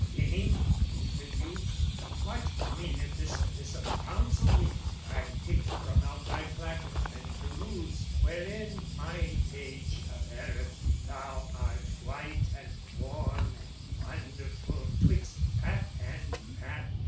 "Dame," quoth the Duke, "What meaneth this epistle, counsel me, "I pick from out thy placket and peruse, "Wherein my page averreth thou art white "And warm and wonderful 'twixt pap and pap?"